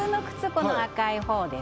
この赤い方です